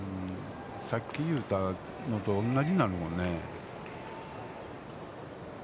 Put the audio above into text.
さっき言うたのと同じになるもんね。